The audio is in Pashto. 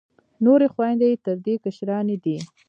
نورې خویندې یې تر دې کشرانې دي.